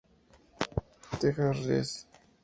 Texas Res.